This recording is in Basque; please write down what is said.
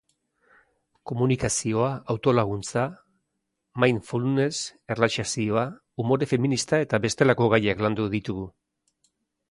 Komunikazioa, autolaguntza, mindfulness, erlaxazioa, umore feminista eta bestelako gaiak landu ditugu.